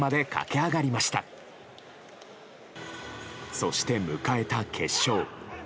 そして迎えた決勝。